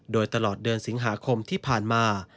โดยตลอดเดือนสิงหาคมที่ผ่านมา